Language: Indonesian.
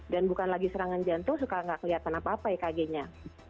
dan bukan lagi serangan jantung suka gak kelihatan apa apa ekg nya